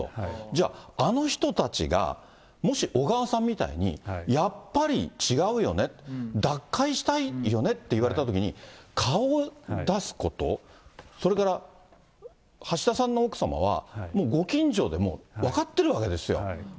じゃああの人たちが、もし小川さんみたいに、やっぱり違うよね、脱会したいよねって言われたときに、顔を出すこと、それから橋田さんの奥様は、もうご近所でも分かってるわけですよ。